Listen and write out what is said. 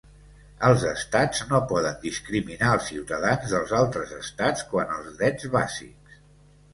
Els estats no poden discriminar els ciutadans dels altres estats quant als drets bàsics.